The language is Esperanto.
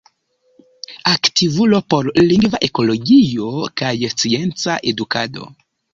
Aktivulo por lingva ekologio kaj scienca edukado.